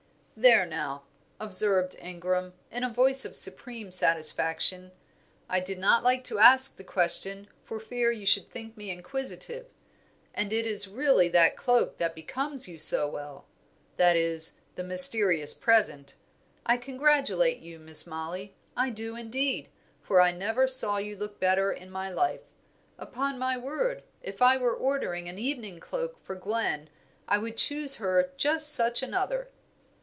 "There now," observed Ingram, in a voice of supreme satisfaction, "I did not like to ask the question for fear you should think me inquisitive. And it is really that cloak that becomes you so well that is the mysterious present I congratulate you, Miss Mollie, I do indeed, for I never saw you look better in my life. Upon my word, if I were ordering an evening cloak for Gwen I would choose her just such another."